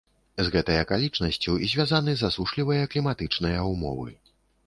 З гэтай акалічнасцю звязаны засушлівыя кліматычныя ўмовы.